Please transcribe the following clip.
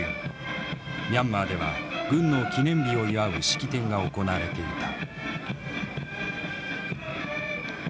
ミャンマーでは軍の記念日を祝う式典が行われていた。